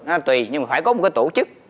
nó là tùy nhưng mà phải có một cái tổ chức